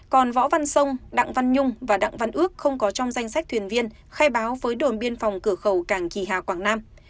còn võ văn sông đặng văn nhung và đặng văn ước không có trong danh sách thuyền viên khai báo với đồn biên phòng cửa khẩu cảng kỳ hà quảng nam